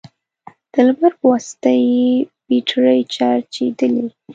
د لمر په واسطه يې بېټرۍ چارجېدلې،